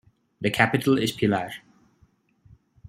The capital is Pilar.